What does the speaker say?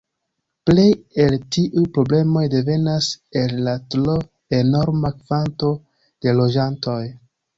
Plej el tiuj problemoj devenas el la tro enorma kvanto de loĝantoj.